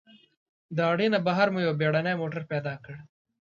د اډې نه بهر مو یو بېړنی موټر پیدا کړ.